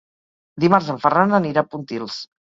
Dimarts en Ferran anirà a Pontils.